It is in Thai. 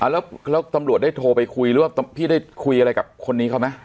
แล้วตำรวจได้โทรไปคุยหรือว่าพี่ได้คุยอะไรกับคนนี้เขาไหม